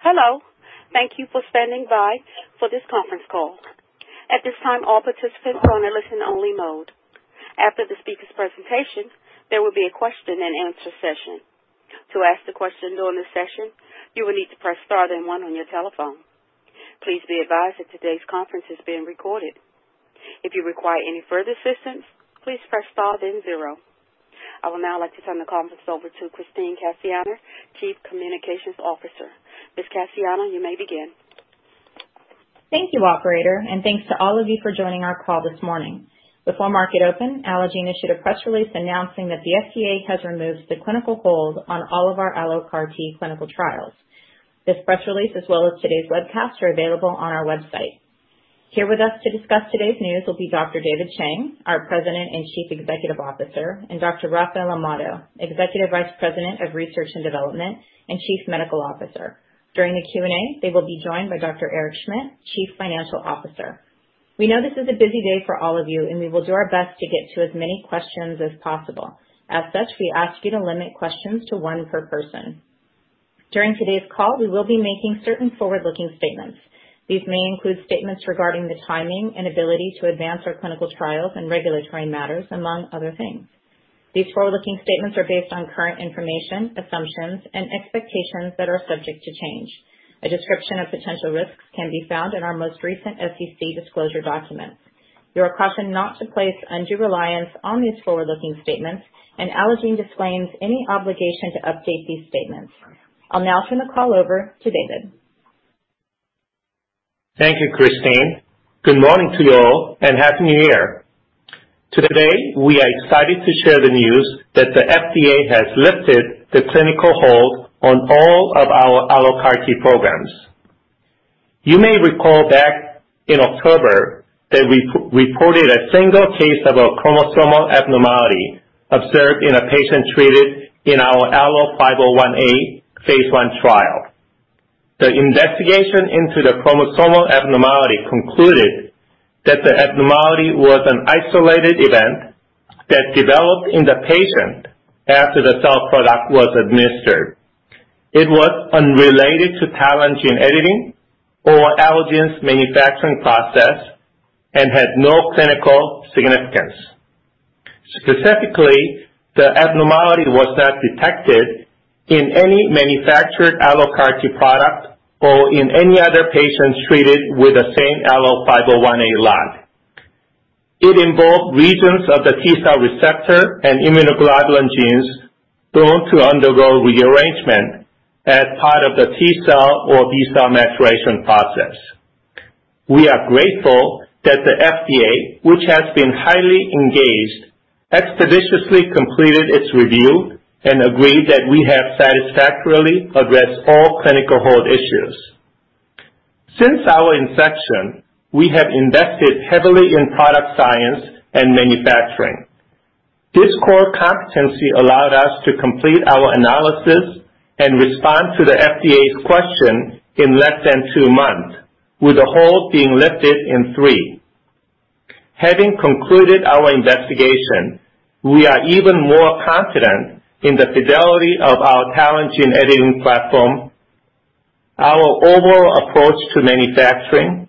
Hello. Thank you for standing by for this conference call. At this time, all participants are on a listen only mode. After the speaker's presentation, there will be a question-and-answer session. To ask the question during the session, you will need to press star then one on your telephone. Please be advised that today's conference is being recorded. If you require any further assistance, please press star then zero. I would now like to turn the conference over to Christine Cassiano, Chief Communications Officer. Ms. Cassiano, you may begin. Thank you, operator, and thanks to all of you for joining our call this morning. Before market open, Allogene issued a press release announcing that the FDA has removed the clinical hold on all of our AlloCAR T clinical trials. This press release, as well as today's webcast, are available on our website. Here with us to discuss today's news will be Dr. David Chang, our President and Chief Executive Officer, and Dr. Rafael Amado, Executive Vice President of Research and Development and Chief Medical Officer. During the Q&A, they will be joined by Dr. Eric Schmidt, Chief Financial Officer. We know this is a busy day for all of you, and we will do our best to get to as many questions as possible. As such, we ask you to limit questions to one per person. During today's call, we will be making certain forward-looking statements. These may include statements regarding the timing and ability to advance our clinical trials and regulatory matters, among other things. These forward-looking statements are based on current information, assumptions, and expectations that are subject to change. A description of potential risks can be found in our most recent SEC disclosure document. You are cautioned not to place undue reliance on these forward-looking statements, and Allogene disclaims any obligation to update these statements. I'll now turn the call over to David. Thank you, Christine. Good morning to you all, and happy New Year. Today, we are excited to share the news that the FDA has lifted the clinical hold on all of our AlloCAR T programs. You may recall back in October that we reported a single case of a chromosomal abnormality observed in a patient treated in our ALLO-501A phase I trial. The investigation into the chromosomal abnormality concluded that the abnormality was an isolated event that developed in the patient after the cell product was administered. It was unrelated to TALEN gene editing or Allogene's manufacturing process and had no clinical significance. Specifically, the abnormality was not detected in any manufactured AlloCAR T product or in any other patients treated with the same ALLO-501A lot. It involved regions of the T cell receptor and immunoglobulin genes known to undergo rearrangement as part of the T cell or B-cell maturation process. We are grateful that the FDA, which has been highly engaged, expeditiously completed its review and agreed that we have satisfactorily addressed all clinical hold issues. Since our inception, we have invested heavily in product science and manufacturing. This core competency allowed us to complete our analysis and respond to the FDA's question in less than 2 months, with the hold being lifted in 3. Having concluded our investigation, we are even more confident in the fidelity of our TALEN gene editing platform, our overall approach to manufacturing,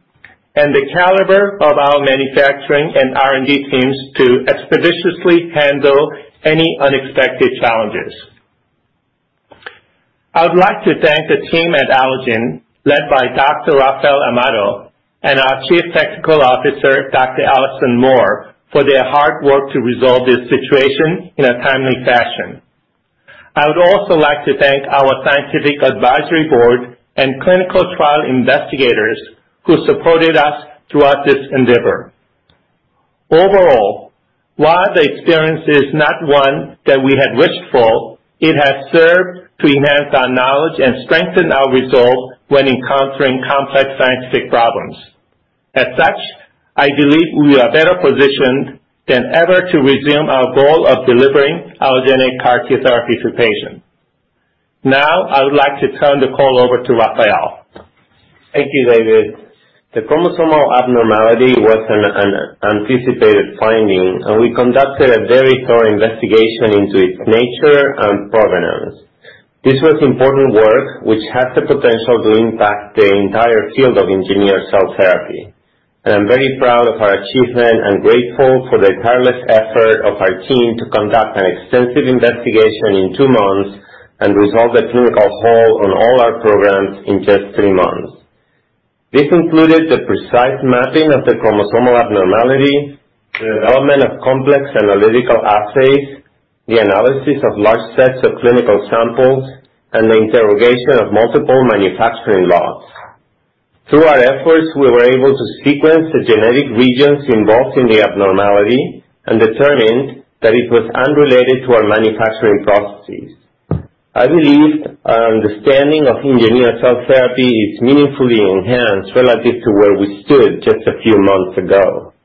and the caliber of our manufacturing and R&D teams to expeditiously handle any unexpected challenges. I would like to thank the team at Allogene, led by Dr. Rafael Amado and our Chief Technical Officer, Dr. Alison Moore for their hard work to resolve this situation in a timely fashion. I would also like to thank our scientific advisory board and clinical trial investigators who supported us throughout this endeavor. Overall, while the experience is not one that we had wished for, it has served to enhance our knowledge and strengthen our resolve when encountering complex scientific problems. As such, I believe we are better positioned than ever to resume our goal of delivering allogeneic CAR T therapy to patients. Now, I would like to turn the call over to Rafael. Thank you, David. The chromosomal abnormality was an anticipated finding, and we conducted a very thorough investigation into its nature and provenance. This was important work which has the potential to impact the entire field of engineered cell therapy. I'm very proud of our achievement and grateful for the tireless effort of our team to conduct an extensive investigation in two months and resolve the clinical hold on all our programs in just three months. This included the precise mapping of the chromosomal abnormality, the development of complex analytical assays, the analysis of large sets of clinical samples, and the interrogation of multiple manufacturing lots. Through our efforts, we were able to sequence the genetic regions involved in the abnormality and determined that it was unrelated to our manufacturing processes. I believe our understanding of engineered cell therapy is meaningfully enhanced relative to where we stood just a few months ago.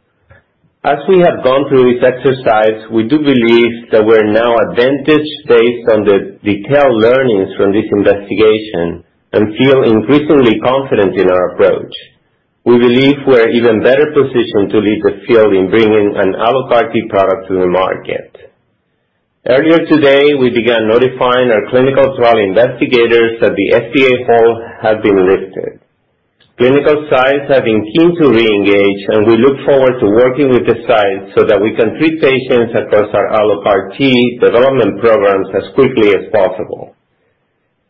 As we have gone through this exercise, we do believe that we're now advantaged based on the detailed learnings from this investigation and feel increasingly confident in our approach. We believe we're even better positioned to lead the field in bringing an AlloCAR T product to the market. Earlier today, we began notifying our clinical trial investigators that the FDA hold has been lifted. Clinical sites have been keen to reengage, and we look forward to working with the sites so that we can treat patients across our AlloCAR T development programs as quickly as possible.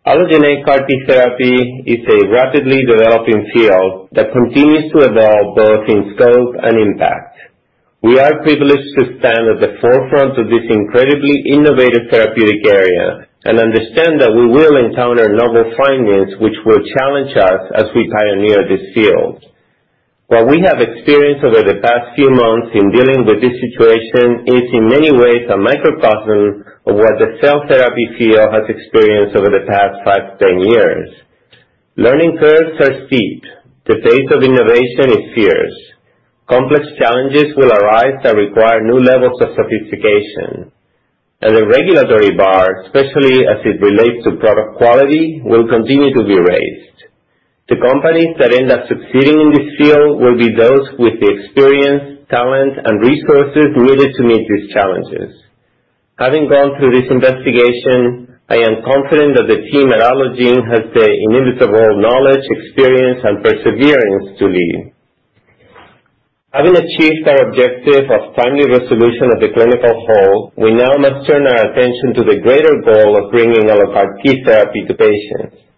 Allogeneic CAR T therapy is a rapidly developing field that continues to evolve both in scope and impact. We are privileged to stand at the forefront of this incredibly innovative therapeutic area and understand that we will encounter novel findings which will challenge us as we pioneer this field. What we have experienced over the past few months in dealing with this situation is, in many ways, a microcosm of what the cell therapy field has experienced over the past 5-10 years. Learning curves are steep. The pace of innovation is fierce. Complex challenges will arise that require new levels of sophistication. The regulatory bar, especially as it relates to product quality, will continue to be raised. The companies that end up succeeding in this field will be those with the experience, talent and resources needed to meet these challenges. Having gone through this investigation, I am confident that the team at Allogene has the inimitable knowledge, experience and perseverance to lead. Having achieved our objective of timely resolution of the clinical hold, we now must turn our attention to the greater goal of bringing AlloCAR T therapy to patients.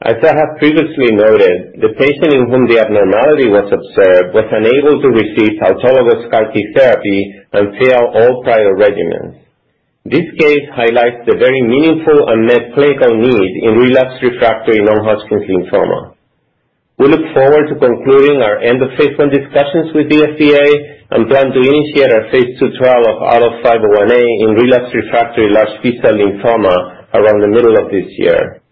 As I have previously noted, the patient in whom the abnormality was observed was unable to receive autologous CAR T therapy and failed all prior regimens. This case highlights the very meaningful unmet clinical need in relapsed refractory non-Hodgkin's lymphoma. We look forward to concluding our end of phase I discussions with the FDA and plan to initiate our phase II trial of ALLO-501A in relapsed refractory large B-cell lymphoma around the middle of this year.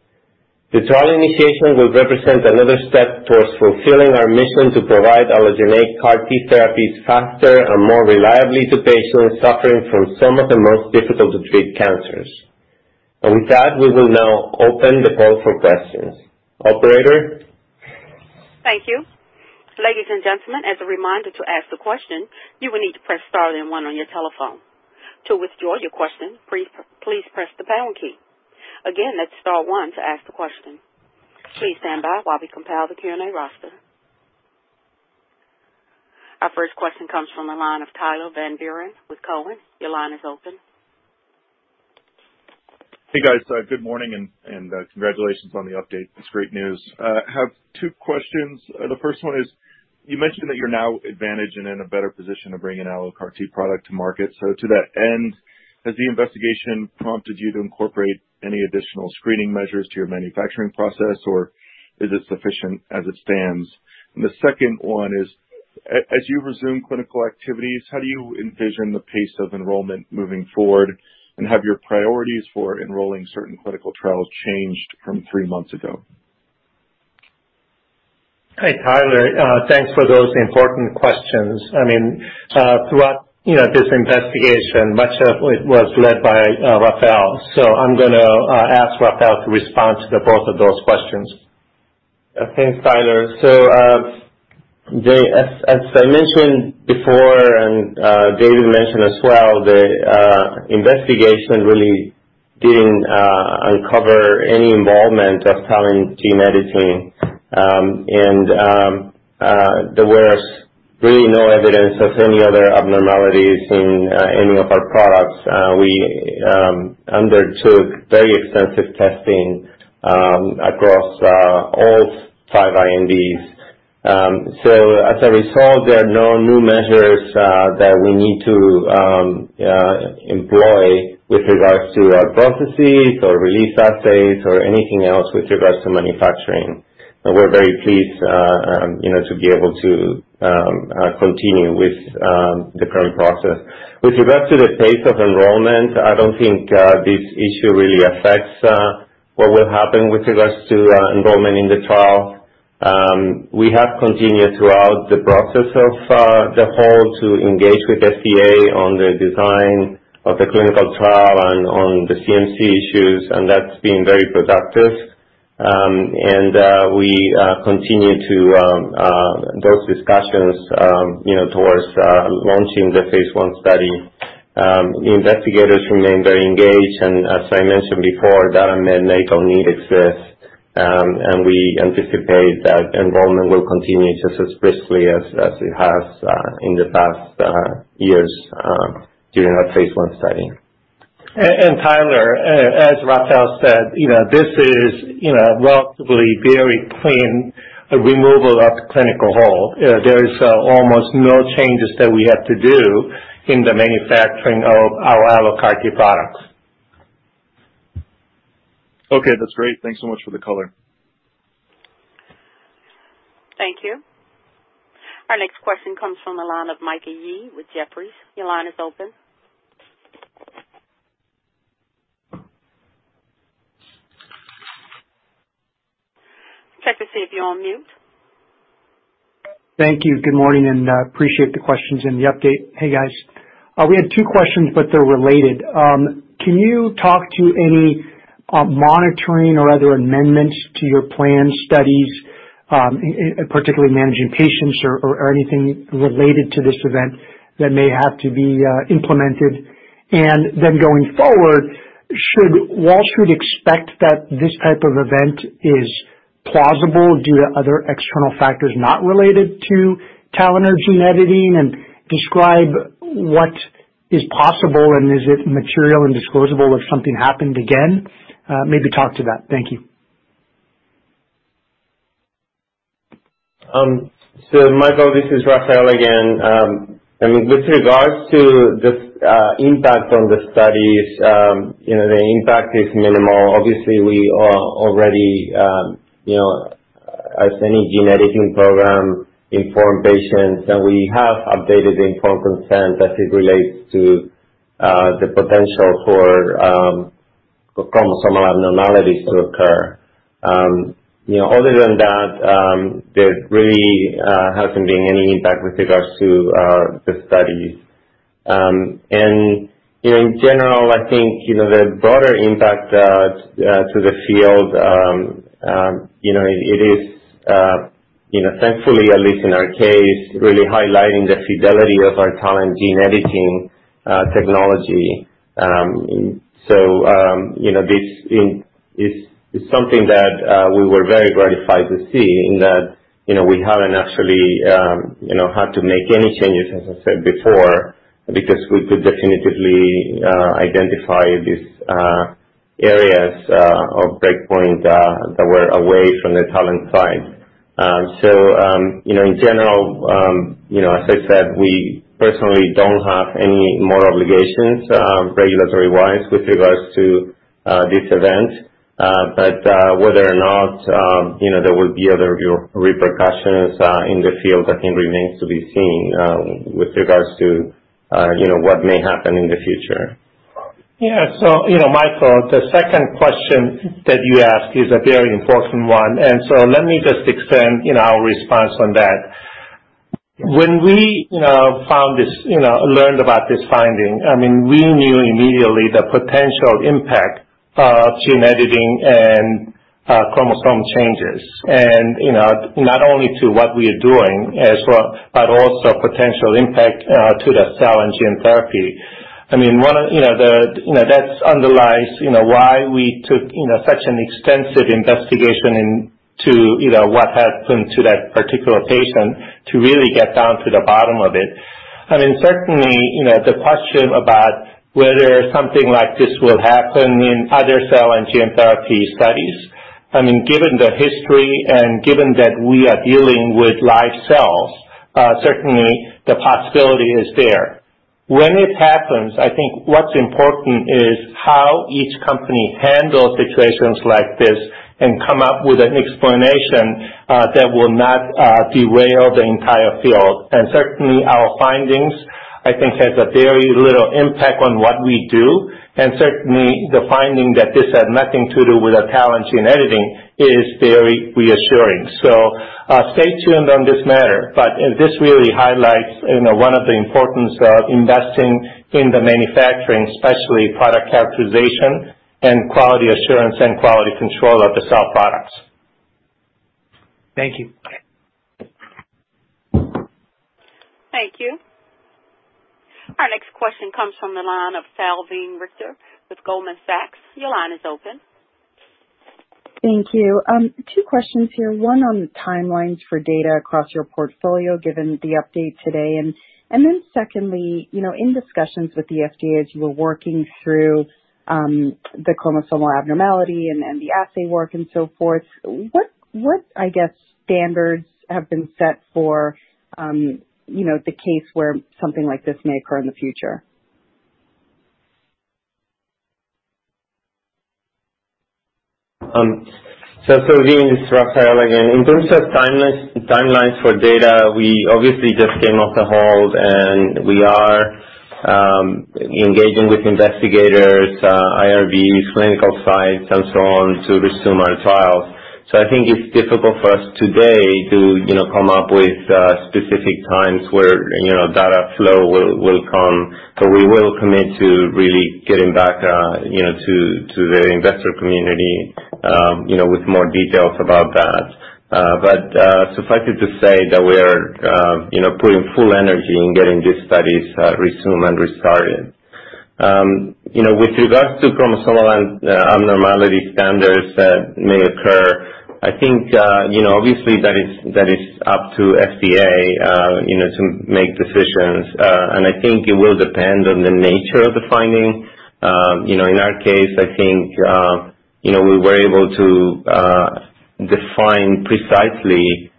The trial initiation will represent another step towards fulfilling our mission to provide allogeneic CAR T therapies faster and more reliably to patients suffering from some of the most difficult to treat cancers. With that, we will now open the call for questions. Operator? Thank you. Ladies and gentlemen, as a reminder, to ask a question, you will need to press star then one on your telephone. To withdraw your question, please press the pound key. Again, that's star one to ask a question. Please stand by while we compile the Q&A roster. Our first question comes from the line of Tyler Van Buren with Cowen. Your line is open. Hey, guys. Good morning and congratulations on the update. It's great news. Have two questions. The first one is you mentioned that you're now advantaged and in a better position to bring an AlloCAR T product to market. To that end, has the investigation prompted you to incorporate any additional screening measures to your manufacturing process or is it sufficient as it stands? The second one is, as you resume clinical activities, how do you envision the pace of enrollment moving forward? Have your priorities for enrolling certain clinical trials changed from three months ago? Hey, Tyler. Thanks for those important questions. I mean, throughout, you know, this investigation, much of it was led by Rafael, so I'm gonna ask Rafael to respond to the both of those questions. Thanks, Tyler. As I mentioned before and David mentioned as well, the investigation really didn't uncover any involvement of TALEN gene editing. And there was really no evidence of any other abnormalities in any of our products. We undertook very extensive testing across all 5 INDs. As a result, there are no new measures that we need to employ with regards to our processes or release assays or anything else with regards to manufacturing. We're very pleased, you know, to be able to continue with the current process. With regards to the pace of enrollment, I don't think this issue really affects what will happen with regards to enrollment in the trial. We have continued throughout the process of the hold to engage with FDA on the design of the clinical trial and on the CMC issues, and that's been very productive. We continue those discussions, you know, towards launching the phase I study. The investigators remain very engaged, and as I mentioned before, that unmet medical need exists. We anticipate that enrollment will continue just as briskly as it has in the past years during our phase I study. Tyler, as Rafael said, you know, this is, you know, relatively very clean removal of the clinical hold. There is almost no changes that we have to do in the manufacturing of our AlloCAR T products. Okay, that's great. Thanks so much for the color. Thank you. Our next question comes from the line of Mike Yee with Jefferies. Your line is open. Check to see if you're on mute. Thank you. Good morning and appreciate the questions and the update. Hey, guys. We had two questions, but they're related. Can you talk to any monitoring or other amendments to your planned studies? Particularly managing patients or anything related to this event that may have to be implemented. Then going forward, should Wall Street expect that this type of event is plausible due to other external factors not related to TALEN or gene editing? Describe what is possible and is it material and disclosable if something happened again? Maybe talk to that. Thank you. Michael, this is Rafael again. I mean, with regards to the impact on the studies, you know, the impact is minimal. Obviously, we are already, you know, as any gene editing program inform patients, and we have updated the informed consent as it relates to the potential for chromosomal abnormalities to occur. You know, other than that, there really hasn't been any impact with regards to the studies. In general, I think, you know, the broader impact to the field, you know, it is, you know, thankfully, at least in our case, really highlighting the fidelity of our TALEN gene editing technology. You know, this is something that we were very gratified to see in that you know, we haven't actually had to make any changes, as I said before, because we could definitively identify these areas or breakpoint that were away from the TALEN site. You know, in general, you know, as I said, we personally don't have any more obligations regulatory-wise with regards to this event. Whether or not you know, there will be other repercussions in the field, I think remains to be seen with regards to you know, what may happen in the future. Yeah. You know, Michael, the second question that you asked is a very important one. Let me just expand, you know, our response on that. When we, you know, found this, you know, learned about this finding, I mean, we knew immediately the potential impact of gene editing and chromosome changes. You know, not only to what we are doing as well, but also potential impact to the cell and gene therapy. I mean, one of, you know, the, you know, that's underlies, you know, why we took, you know, such an extensive investigation into, you know, what happened to that particular patient to really get down to the bottom of it. I mean, certainly, you know, the question about whether something like this will happen in other cell and gene therapy studies. I mean, given the history and given that we are dealing with live cells, certainly the possibility is there. When it happens, I think what's important is how each company handles situations like this and come up with an explanation, that will not derail the entire field. Certainly our findings, I think, has a very little impact on what we do. Certainly the finding that this had nothing to do with our TALEN gene editing is very reassuring. Stay tuned on this matter, but this really highlights, you know, one of the importance of investing in the manufacturing, especially product characterization and quality assurance and quality control of the cell products. Thank you. Thank you. Our next question comes from the line of Salveen Richter with Goldman Sachs. Your line is open. Thank you. Two questions here. One on the timelines for data across your portfolio, given the update today. Secondly, you know, in discussions with the FDA, as you were working through, the chromosomal abnormality and the assay work and so forth, what, I guess, standards have been set for, you know, the case where something like this may occur in the future? Salveene, this is Rafael again. In terms of timelines for data, we obviously just came off a hold, and we are engaging with investigators, IRBs, clinical sites, and so on to resume our trials. I think it's difficult for us today to, you know, come up with specific times where, you know, data flow will come. We will commit to really getting back, you know, to the investor community, you know, with more details about that. Suffice it to say that we're, you know, putting full energy in getting these studies resumed and restarted. You know, with regards to chromosomal abnormality standards that may occur, I think, you know, obviously that is up to FDA to make decisions. I think it will depend on the nature of the finding. You know, in our case, I think, you know, we were able to define precisely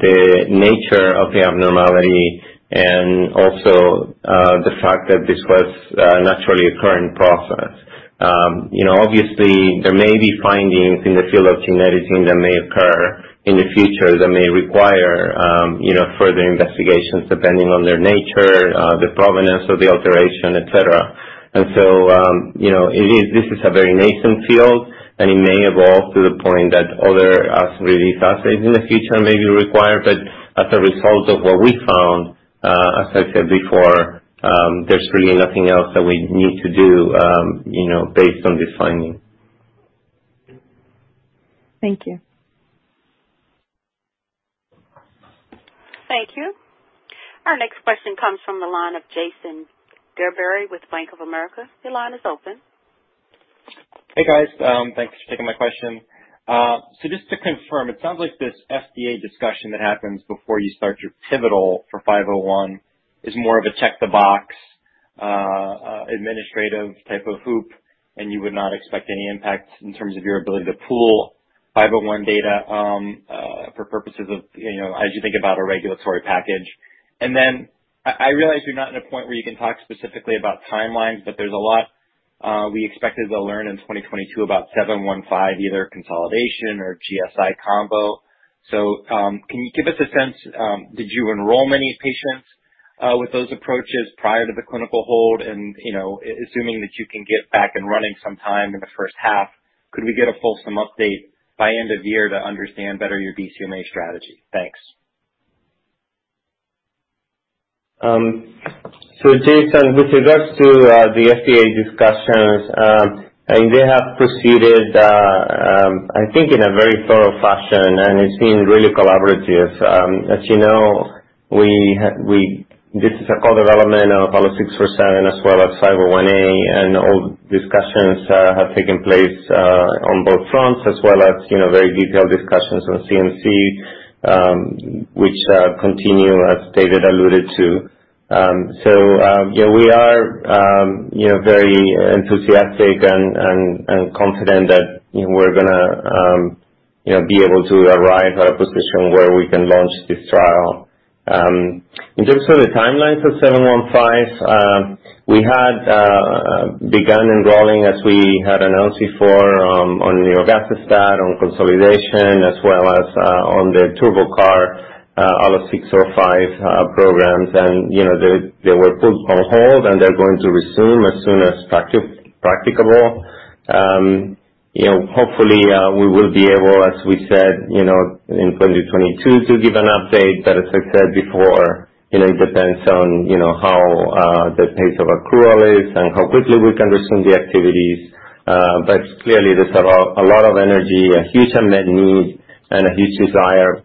the nature of the abnormality and also the fact that this was naturally occurring process. You know, obviously there may be findings in the field of gene editing that may occur in the future that may require, you know, further investigations depending on their nature, the provenance of the alteration, et cetera. You know, this is a very nascent field, and it may evolve to the point that other assay release assays in the future may be required. But as a result of what we found, as I said before, there's really nothing else that we need to do, you know, based on this finding. Thank you. Our next question comes from the line of Jason Gerberry with Bank of America. Your line is open. Hey, guys. Thanks for taking my question. So just to confirm, it sounds like this FDA discussion that happens before you start your pivotal for 501 is more of a check-the-box administrative type of hoop, and you would not expect any impact in terms of your ability to pool 501 data for purposes of, you know, as you think about a regulatory package. I realize you're not at a point where you can talk specifically about timelines, but there's a lot we expected to learn in 2022 about 715, either consolidation or GSI combo. Can you give us a sense, did you enroll many patients with those approaches prior to the clinical hold? You know, assuming that you can get back and running some time in the first half, could we get a fulsome update by end of year to understand better your BCMA strategy? Thanks. Jason, with regards to the FDA discussions, I mean, they have proceeded in a very thorough fashion, and it's been really collaborative. As you know, this is a co-development of ALLO-647 as well as ALLO-501A, and all discussions have taken place on both fronts, as well as, you know, very detailed discussions on CMC, which continue as David alluded to. Yeah, we are, you know, very enthusiastic and confident that, you know, we're gonna be able to arrive at a position where we can launch this trial. In terms of the timelines for ALLO-715, we had begun enrolling as we had announced before, on the ALLO-715, on consolidation, as well as on the TurboCAR ALLO-605 programs. You know, they were put on hold and they're going to resume as soon as practicable. You know, hopefully, we will be able, as we said, you know, in 2022 to give an update, but as I said before, you know, it depends on, you know, how the pace of accrual is and how quickly we can resume the activities. Clearly there's a lot of energy, a huge unmet need and a huge desire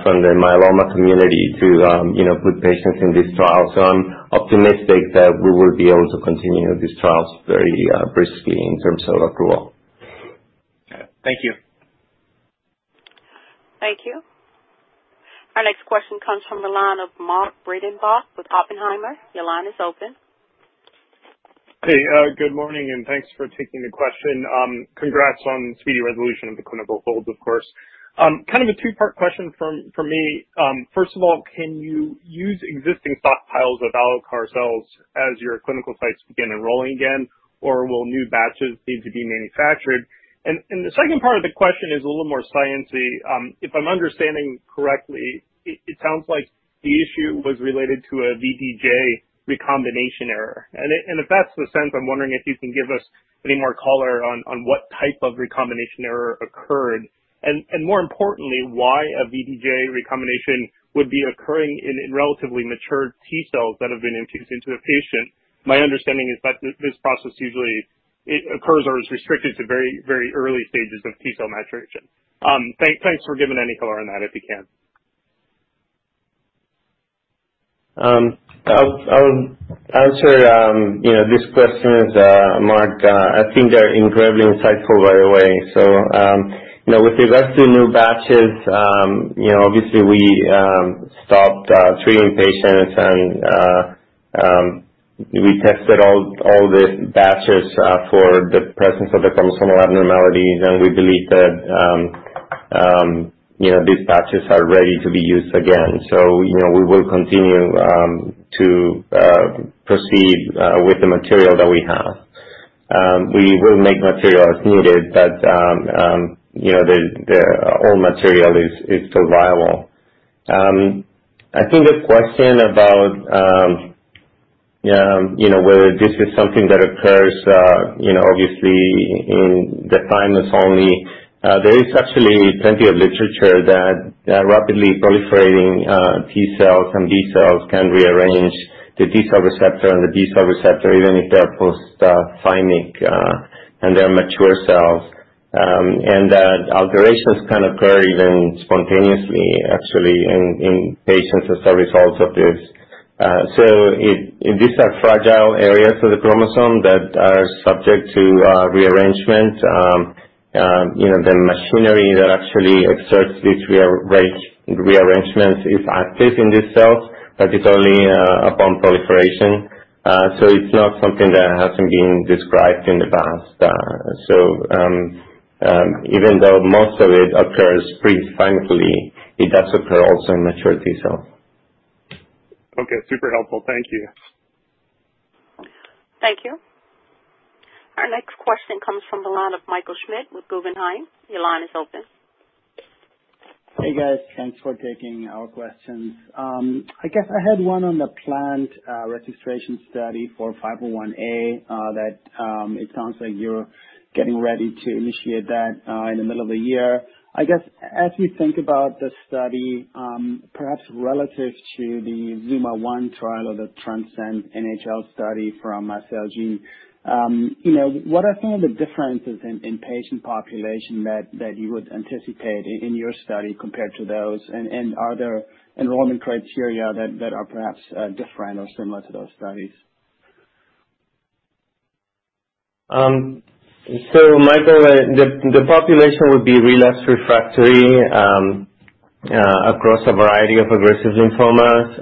from the myeloma community to, you know, put patients in this trial. I'm optimistic that we will be able to continue these trials very briskly in terms of accrual. Okay. Thank you. Thank you. Our next question comes from the line of Mark Breidenbach with Oppenheimer. Your line is open. Hey, good morning and thanks for taking the question. Congrats on the speedy resolution of the clinical holds, of course. Kind of a two-part question from me. First of all, can you use existing stockpiles of AlloCAR T cells as your clinical sites begin enrolling again, or will new batches need to be manufactured? The second part of the question is a little more science-y. If I'm understanding correctly, it sounds like the issue was related to a V(D)J recombination error. If that's the case, I'm wondering if you can give us any more color on what type of recombination error occurred, and more importantly, why a V(D)J recombination would be occurring in relatively mature T cells that have been infused into a patient. My understanding is that this process usually it occurs or is restricted to very, very early stages of T cell maturation. Thanks for giving any color on that if you can. I'll answer, you know, these questions, Mark. I think they're incredibly insightful, by the way. You know, with regards to new batches, you know, obviously we stopped treating patients and we tested all the batches for the presence of the chromosomal abnormalities, and we believe that you know, these batches are ready to be used again. You know, we will continue to proceed with the material that we have. We will make material as needed, but you know, the old material is still viable. I think the question about, you know, whether this is something that occurs, you know, obviously in the thymus only. There is actually plenty of literature that rapidly proliferating T cells and B-cells can rearrange the T cell receptor and the B-cell receptor even if they're post-thymic and they're mature cells. Alterations can occur even spontaneously, actually, in patients as a result of this. These are fragile areas of the chromosome that are subject to rearrangement. You know, the machinery that actually exerts these rearrangements is active in these cells, but it's only upon proliferation. It's not something that hasn't been described in the past. Even though most of it occurs pre-thymically, it does occur also in mature T cells. Okay. Super helpful. Thank you. Thank you. Our next question comes from the line of Michael Schmidt with Guggenheim. Your line is open. Hey, guys. Thanks for taking our questions. I guess I had one on the planned registration study for 501A that it sounds like you're getting ready to initiate that in the middle of the year. I guess as we think about the study, perhaps relative to the ZUMA-1 trial or the TRANSCEND NHL study from Celgene, you know, what are some of the differences in patient population that you would anticipate in your study compared to those? And are there enrollment criteria that are perhaps different or similar to those studies? Michael, the population would be relapsed refractory across a variety of aggressive lymphomas.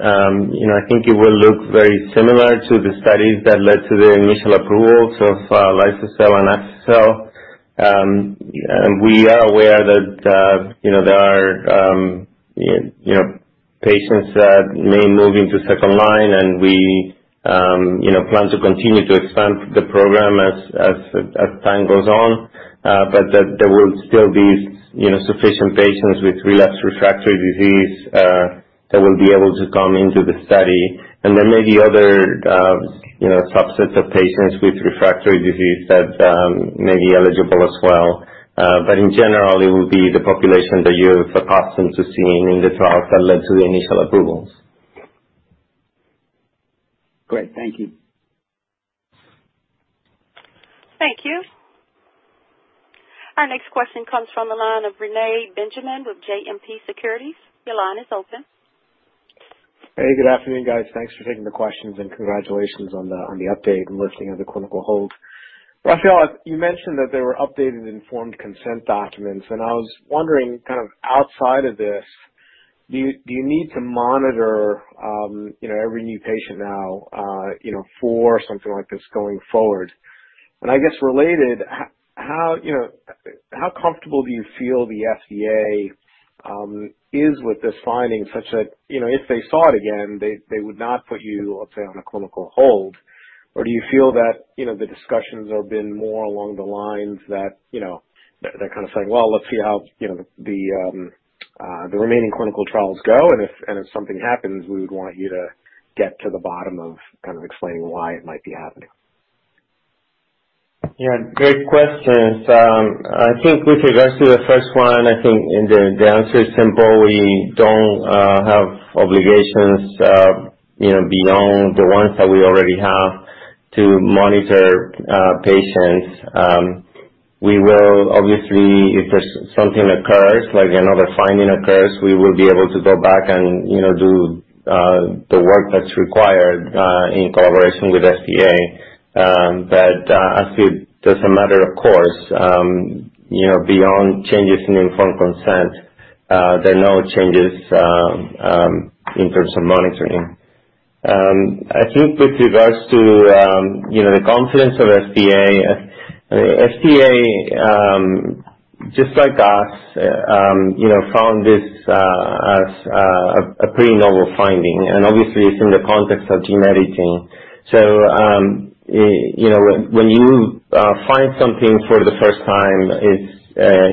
You know, I think it will look very similar to the studies that led to the initial approvals of liso-cel and axi-cel. We are aware that, you know, there are, you know, patients that may move into second line and we, you know, plan to continue to expand the program as time goes on. That there will still be, you know, sufficient patients with relapsed refractory disease that will be able to come into the study. There may be other, you know, subsets of patients with refractory disease that may be eligible as well. In general, it will be the population that you have accustomed to seeing in the trials that led to the initial approvals. Great. Thank you. Thank you. Our next question comes from the line of Reni Benjamin with JMP Securities. Your line is open. Hey, good afternoon, guys. Thanks for taking the questions and congratulations on the update and lifting of the clinical hold. Rafael, you mentioned that there were updated informed consent documents, and I was wondering, kind of, outside of this, do you need to monitor, you know, every new patient now, you know, for something like this going forward? I guess related, how comfortable do you feel the FDA is with this finding such that, you know, if they saw it again, they would not put you, let's say, on a clinical hold? Do you feel that, you know, the discussions have been more along the lines that, you know, they're kind of saying, "Well, let's see how, you know, the remaining clinical trials go and if something happens, we would want you to get to the bottom of kind of explaining why it might be happening. Yeah, great questions. I think with regards to the first one, the answer is simple. We don't have obligations, you know, beyond the ones that we already have to monitor patients. We will obviously, if something occurs, like another finding occurs, we will be able to go back and, you know, do the work that's required in collaboration with FDA. As a matter of course, you know, beyond changes in informed consent, there are no changes in terms of monitoring. I think with regards to the confidence of FDA. FDA just like us, you know, found this as a pretty novel finding, and obviously it's in the context of gene editing. You know, when you find something for the first time, it's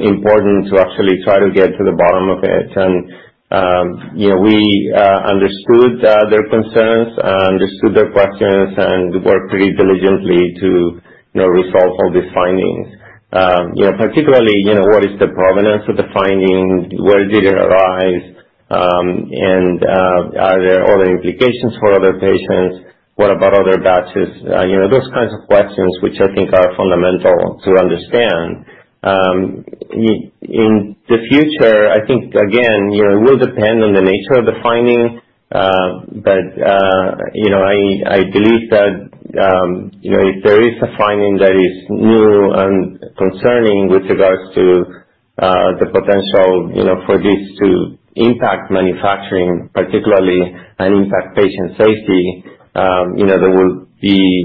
important to actually try to get to the bottom of it. You know, we understood their concerns, understood their questions and worked pretty diligently to, you know, resolve all these findings. You know, particularly, you know, what is the provenance of the findings? Where did it arise? Are there other implications for other patients? What about other batches? You know, those kinds of questions, which I think are fundamental to understand. In the future, I think again, you know, it will depend on the nature of the finding. You know, I believe that, you know, if there is a finding that is new and concerning with regards to the potential, you know, for this to impact manufacturing particularly and impact patient safety, you know, there will be,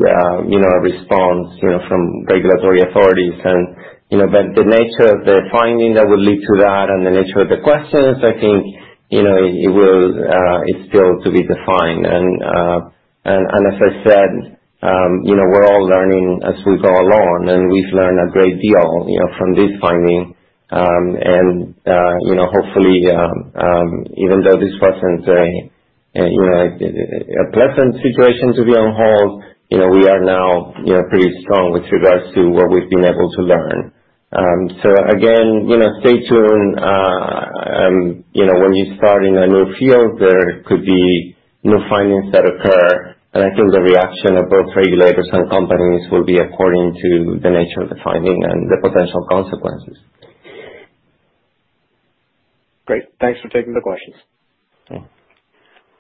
you know, a response, you know, from regulatory authorities and, you know, but the nature of the finding that would lead to that and the nature of the questions, I think, you know, it will, it's still to be defined. As I said, you know, we're all learning as we go along and we've learned a great deal, you know, from this finding. You know, hopefully, even though this wasn't a pleasant situation to be on hold, you know, we are now, you know, pretty strong with regards to what we've been able to learn. Again, you know, stay tuned. You know, when you start in a new field, there could be new findings that occur, and I think the reaction of both regulators and companies will be according to the nature of the finding and the potential consequences. Great. Thanks for taking the questions. Yeah.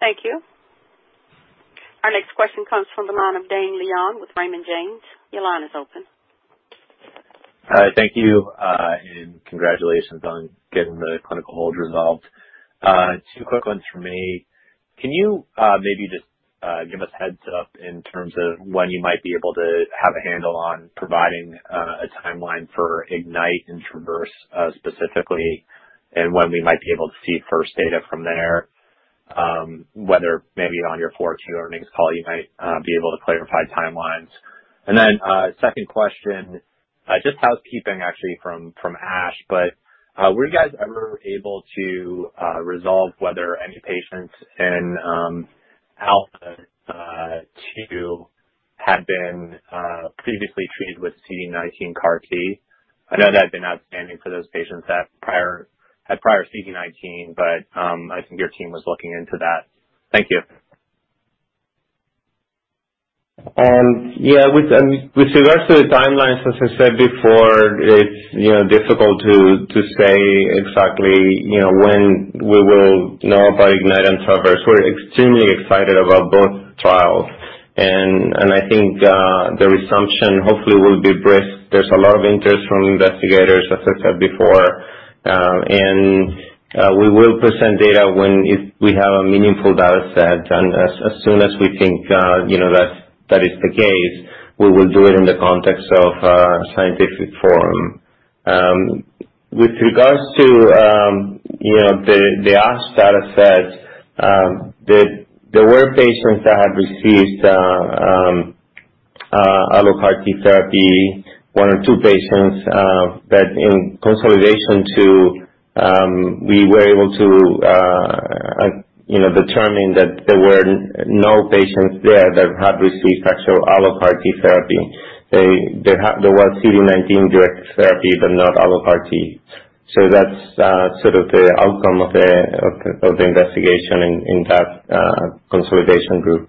Thank you. Our next question comes from the line of Dane Leone with Raymond James. Your line is open. Hi. Thank you, and congratulations on getting the clinical hold resolved. Two quick ones from me. Can you maybe just give us a heads up in terms of when you might be able to have a handle on providing a timeline for IGNITE and TRAVERSE, specifically, and when we might be able to see first data from there? Whether maybe on your fourth quarter earnings call you might be able to clarify timelines. Then, second question, just housekeeping actually from Ash, but were you guys ever able to resolve whether any patients in ALPHA2 had been previously treated with CD19 CAR T? I know that had been outstanding for those patients that had prior CD19, but I think your team was looking into that. Thank you. Yeah, with regards to the timelines, as I said before, it's you know difficult to say exactly you know when we will know about IGNITE and TRAVERSE. We're extremely excited about both trials and I think the resumption hopefully will be brisk. There's a lot of interest from investigators, as I said before. We will present data when, if we have a meaningful data set, and as soon as we think you know that is the case, we will do it in the context of a scientific forum. With regard to, you know, the ALPHA data set, there were patients that had received auto CAR T therapy, one or two patients, but in the consolidation, we were able to, you know, determine that there were no patients there that had received actual auto CAR T therapy. There was CD19-directed therapy, but not AlloCAR T. That's sort of the outcome of the investigation in that consolidation group.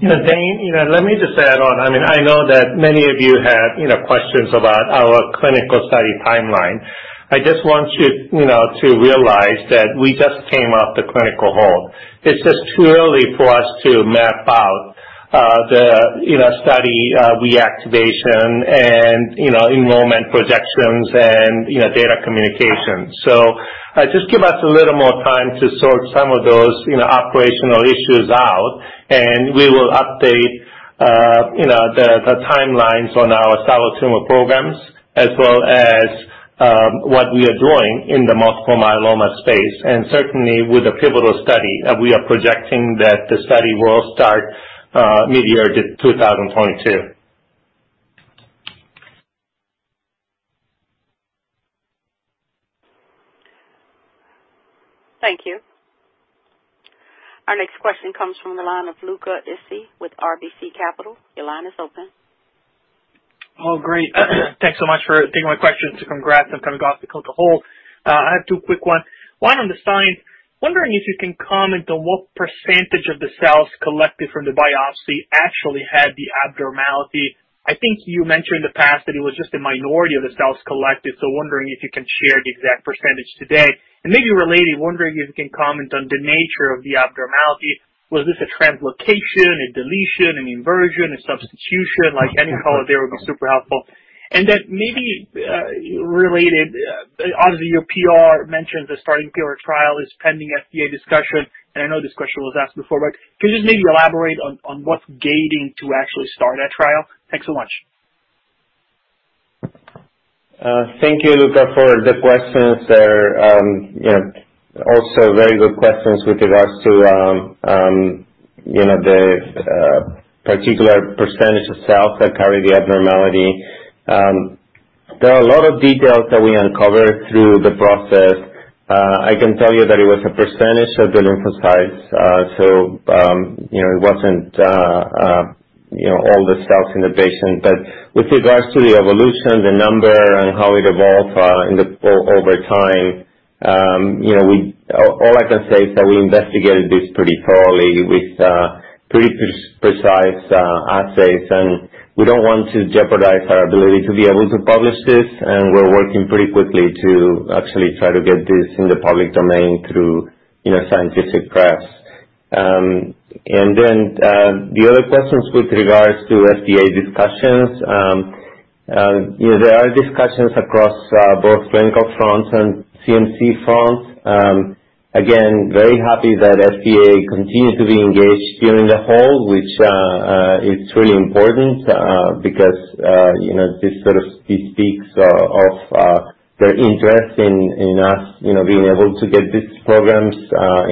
You know, Dane, you know, let me just add on. I mean, I know that many of you have, you know, questions about our clinical study timeline. I just want you know, to realize that we just came off the clinical hold. It's just too early for us to map out the study reactivation and enrollment projections and data communication. So just give us a little more time to sort some of those operational issues out, and we will update the timelines on our solid tumor programs as well as what we are doing in the multiple myeloma space. Certainly with the pivotal study, we are projecting that the study will start midyear 2022. Thank you. Our next question comes from the line of Luca Issi with RBC Capital. Your line is open. Oh, great. Thanks so much for taking my questions and congrats on kind of going off the clinical hold. I have two quick ones. One on the science. Wondering if you can comment on what percentage of the cells collected from the biopsy actually had the abnormality. I think you mentioned in the past that it was just a minority of the cells collected, so wondering if you can share the exact percentage today. Maybe related, wondering if you can comment on the nature of the abnormality. Was this a translocation, a deletion, an inversion, a substitution? Like any color there would be super helpful. Then maybe related, obviously your PR mentioned the starting pivotal trial is pending FDA discussion, and I know this question was asked before, but can you just maybe elaborate on what's gating to actually start that trial? Thanks so much. Thank you, Luca, for the questions there. You know, also very good questions with regards to the particular percentage of cells that carry the abnormality. There are a lot of details that we uncovered through the process. I can tell you that it was a percentage of the lymphocytes. You know, it wasn't all the cells in the patient. With regards to the evolution, the number and how it evolved over time, you know, all I can say is that we investigated this pretty thoroughly with pretty precise assays, and we don't want to jeopardize our ability to be able to publish this, and we're working pretty quickly to actually try to get this in the public domain through scientific press. The other questions with regards to FDA discussions, you know, there are discussions across both clinical fronts and CMC fronts. Again, very happy that FDA continues to be engaged during the hold, which is truly important, because you know, this sort of speaks of their interest in us, you know, being able to get these programs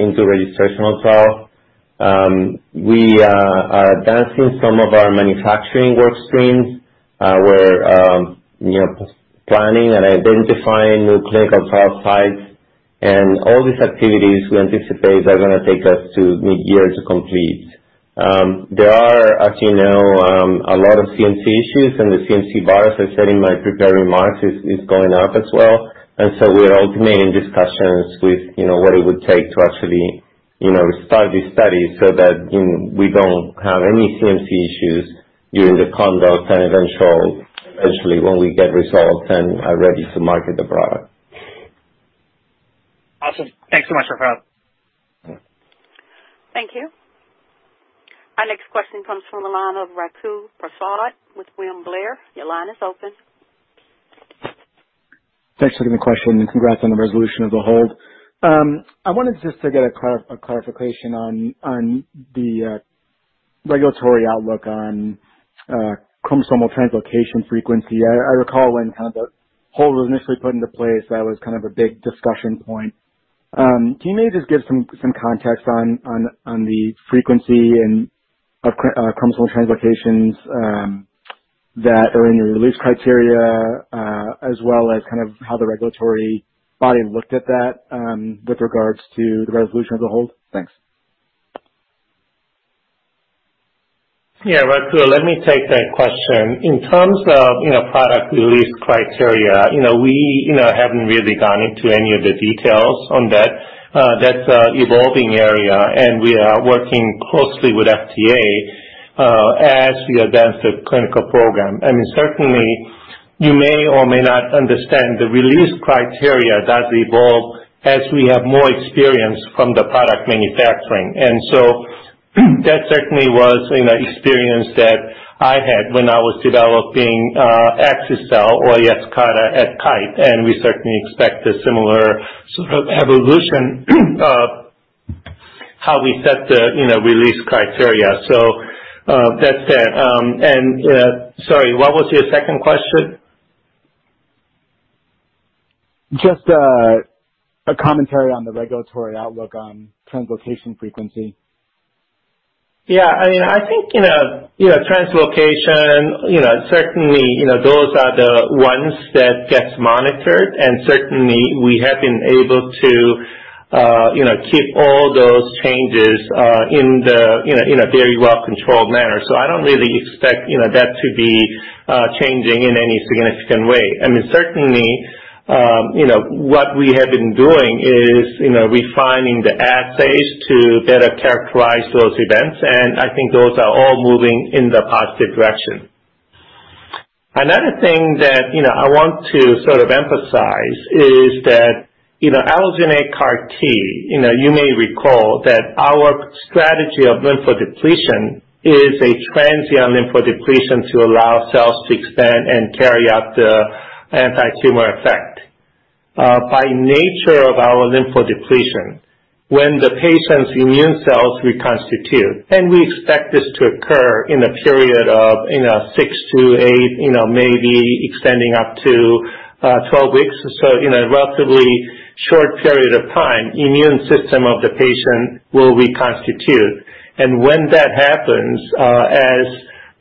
into registration on file. We are advancing some of our manufacturing work streams. We're you know, planning and identifying new clinical trial sites, and all these activities we anticipate are gonna take us to midyear to complete. There are, as you know, a lot of CMC issues and the CMC bars, as said in my prepared remarks, is going up as well. We're opening discussions with, you know, what it would take to actually, you know, start this study so that, you know, we don't have any CMC issues during the conduct and eventually when we get results and are ready to market the product. Awesome. Thanks so much, Rafael. Thank you. Our next question comes from the line of Raju Prasad with William Blair. Your line is open. Thanks for taking the question, and congrats on the resolution of the hold. I wanted just to get a clarification on the regulatory outlook on chromosomal translocation frequency. I recall when kind of the hold was initially put into place, that was kind of a big discussion point. Can you maybe just give some context on the frequency of chromosomal translocations that are in your release criteria, as well as kind of how the regulatory body looked at that with regards to the resolution of the hold? Thanks. Yeah, Raju, let me take that question. In terms of, you know, product release criteria, you know, we, you know, haven't really gone into any of the details on that. That's an evolving area, and we are working closely with FDA as we advance the clinical program. I mean, certainly you may or may not understand the release criteria that evolve as we have more experience from the product manufacturing. That certainly was an experience that I had when I was developing axi-cel or Yescarta at Kite, and we certainly expect a similar sort of evolution of how we set the, you know, release criteria. So, that's that. Sorry, what was your second question? Just, a commentary on the regulatory outlook on translocation frequency. Yeah, I mean, I think, you know, translocation, you know, certainly, you know, those are the ones that gets monitored, and certainly we have been able to, you know, keep all those changes, in the, you know, in a very well-controlled manner. So I don't really expect, you know, that to be, changing in any significant way. I mean, certainly, you know, what we have been doing is, you know, refining the assays to better characterize those events, and I think those are all moving in the positive direction. Another thing that, you know, I want to sort of emphasize is that, you know, allogeneic CAR T, you know, you may recall that our strategy of lymphodepletion is a transient lymphodepletion to allow cells to expand and carry out the antitumor effect. By nature of our lymphodepletion, when the patient's immune cells reconstitute, and we expect this to occur in a period of, you know, 6-8, you know, maybe extending up to 12 weeks. In a relatively short period of time, immune system of the patient will reconstitute. When that happens, as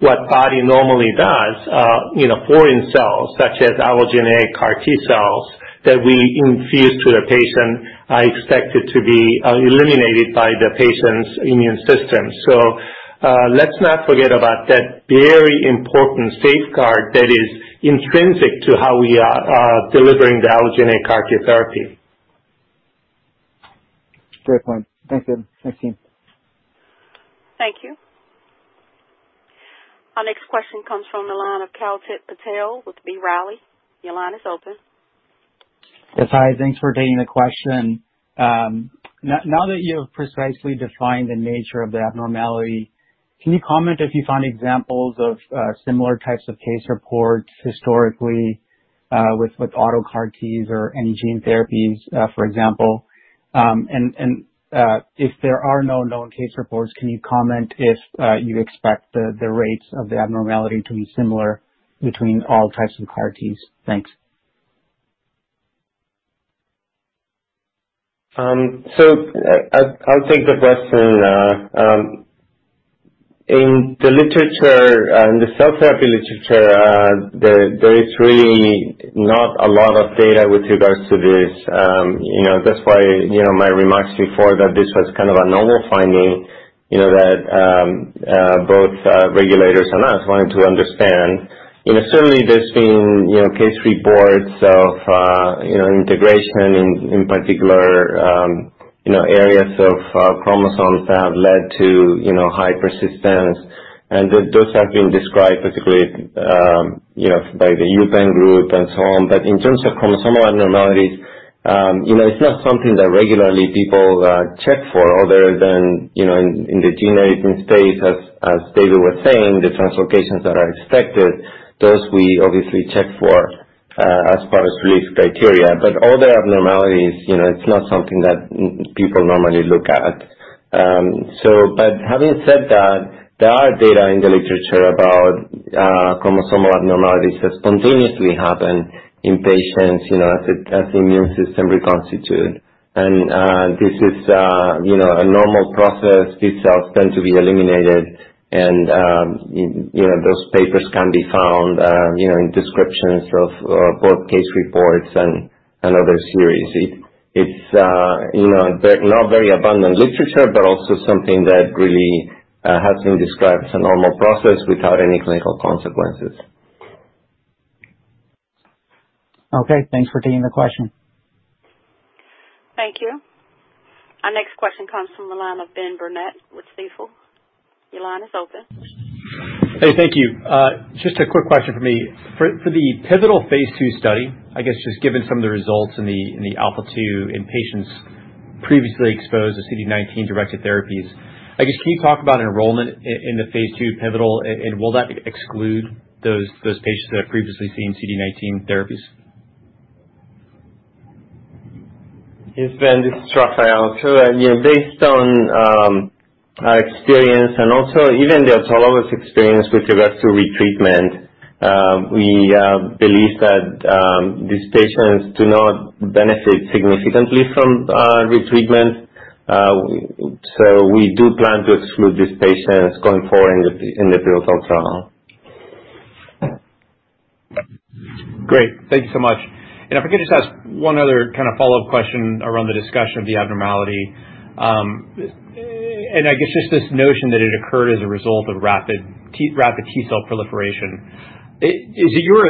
the body normally does, you know, foreign cells such as allogeneic CAR T cells that we infuse to the patient are expected to be eliminated by the patient's immune system. Let's not forget about that very important safeguard that is intrinsic to how we are delivering the allogeneic CAR T therapy. Great point. Thanks, Dave. Thanks, team. Thank you. Our next question comes from the line of Kalpit Patel with B. Riley. Your line is open. Yes. Hi. Thanks for taking the question. Now that you have precisely defined the nature of the abnormality, can you comment if you find examples of similar types of case reports historically with auto CAR Ts or any gene therapies, for example? If there are no known case reports, can you comment if you expect the rates of the abnormality to be similar between all types of CAR Ts? Thanks. I'll take the question. In the literature, in the cell therapy literature, there is really not a lot of data with regards to this. You know, that's why my remarks before that this was kind of a novel finding, you know, that both regulators and us wanting to understand. You know, certainly there's been case reports of integration in particular areas of chromosomes have led to high persistence, and those have been described particularly by the UPenn group and so on. In terms of chromosomal abnormalities, you know, it's not something that regularly people check for other than, you know, in the gene editing space, as David was saying, the translocations that are expected, those we obviously check for, as far as release criteria. Other abnormalities, you know, it's not something that people normally look at. Having said that, there are data in the literature about chromosomal abnormalities that spontaneously happen in patients, you know, as the immune system reconstitute. This is, you know, a normal process. These cells tend to be eliminated and, you know, those papers can be found, you know, in descriptions of both case reports and other series. It's you know, not very abundant literature, but also something that really has been described as a normal process without any clinical consequences. Okay, thanks for taking the question. Thank you. Our next question comes from the line of Ben Burnett with Stifel. Your line is open. Hey, thank you. Just a quick question from me. For the pivotal phase II study, I guess just given some of the results in the ALPHA2 in patients previously exposed to CD19-directed therapies, I guess can you talk about enrollment in the phase II pivotal, and will that exclude those patients that have previously seen CD19 therapies? Yes, Ben, this is Rafael. Based on our experience and also even the oncologist experience with regards to retreatment, we believe that these patients do not benefit significantly from retreatment. We plan to exclude these patients going forward in the pivotal trial. Great. Thank you so much. If I could just ask one other kind of follow-up question around the discussion of the abnormality. And I guess just this notion that it occurred as a result of rapid T cell proliferation. Is it your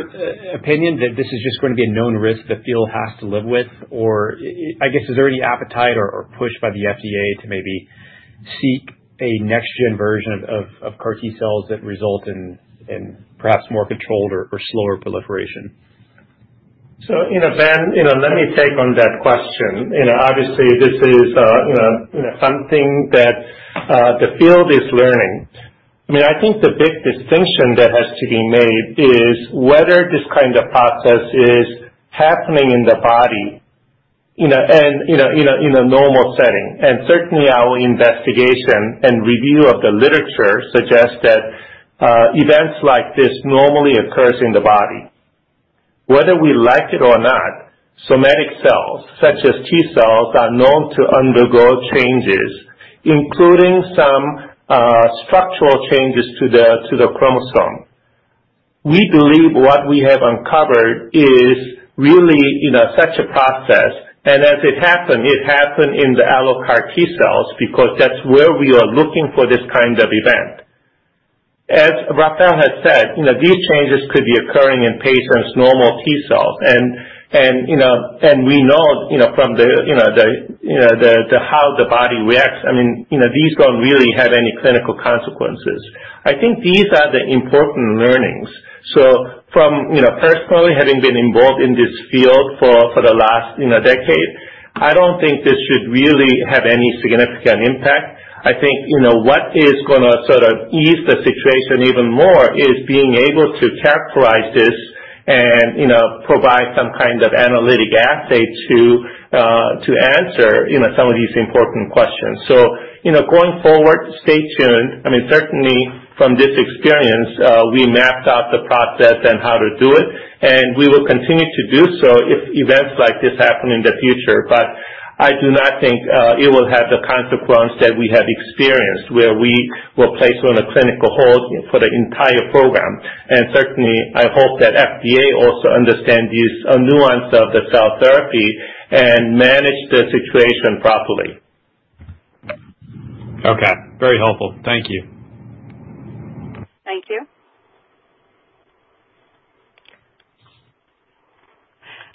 opinion that this is just going to be a known risk the field has to live with? Or I guess is there any appetite or push by the FDA to maybe seek a next-gen version of CAR T cells that result in perhaps more controlled or slower proliferation. You know, Ben, you know, let me take on that question. You know, obviously this is, you know, something that, the field is learning. I mean, I think the big distinction that has to be made is whether this kind of process is happening in the body, you know, and, you know, in a normal setting. Certainly our investigation and review of the literature suggests that, events like this normally occurs in the body. Whether we like it or not, somatic cells such as T cells are known to undergo changes, including some, structural changes to the chromosome. We believe what we have uncovered is really, you know, such a process, and as it happened, it happened in the AlloCAR T cells because that's where we are looking for this kind of event. As Rafael had said, you know, these changes could be occurring in patients' normal T cells. We know from the way the body reacts. I mean, you know, these don't really have any clinical consequences. I think these are the important learnings. Personally, having been involved in this field for the last decade, I don't think this should really have any significant impact. I think, you know, what is gonna sort of ease the situation even more is being able to characterize this and, you know, provide some kind of analytical assay to answer, you know, some of these important questions. You know, going forward, stay tuned. I mean, certainly from this experience, we mapped out the process and how to do it, and we will continue to do so if events like this happen in the future. I do not think it will have the consequence that we have experienced, where we were placed on a clinical hold for the entire program. Certainly, I hope that FDA also understand these nuance of the cell therapy and manage the situation properly. Okay. Very helpful. Thank you. Thank you.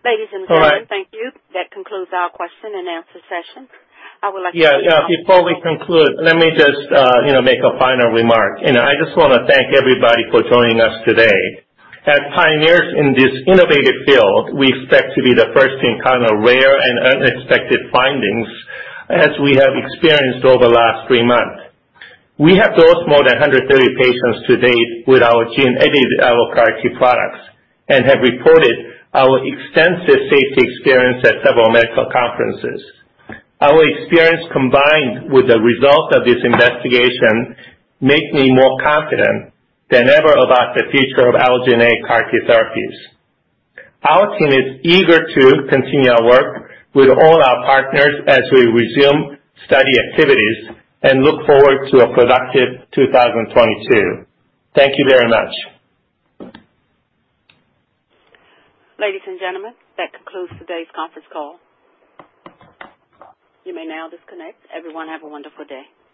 Ladies and gentlemen- All right. Thank you. That concludes our question-and-answer session. I would like to. Yeah, yeah. Before we conclude, let me just, you know, make a final remark. You know, I just wanna thank everybody for joining us today. As pioneers in this innovative field, we expect to be the first to encounter rare and unexpected findings as we have experienced over the last three months. We have dosed more than 130 patients to date with our gene-edited AlloCAR T products and have reported our extensive safety experience at several medical conferences. Our experience, combined with the results of this investigation, make me more confident than ever about the future of allogeneic CAR-T therapies. Our team is eager to continue our work with all our partners as we resume study activities and look forward to a productive 2022. Thank you very much. Ladies and gentlemen, that concludes today's conference call. You may now disconnect. Everyone, have a wonderful day.